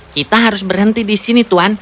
kita harus berhenti di sini tuan